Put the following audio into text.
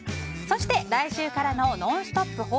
そして、来週からの「ノンストップ！」